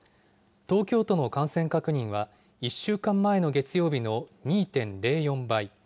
東京都の感染確認は、１週間前の月曜日の２．０４倍。